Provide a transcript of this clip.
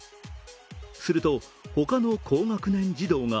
すると、他の高学年児童が